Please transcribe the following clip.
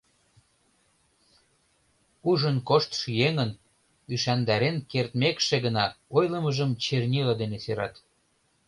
Ужын коштшо еҥын ӱшандарен кертмекше гына ойлымыжым чернила дене серат.